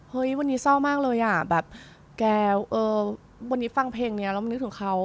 เฮ้ยวันนี้เศร้ามากเลยอ่ะแบบแกวันนี้ฟังเพลงนี้แล้วมันนึกถึงเขา